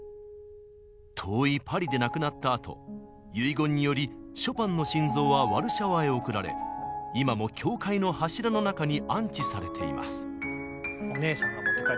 遠いパリで亡くなったあと遺言によりショパンの心臓はワルシャワへ送られ今も教会の柱の中に安置されています。